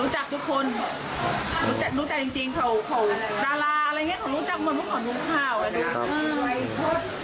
รู้จักจริงเขาดาราอะไรอย่างนี้เขารู้จักหมดมันขอรู้ข่าวเลยด้วย